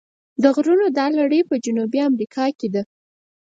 د غرونو دا لړۍ په جنوبي امریکا کې ده.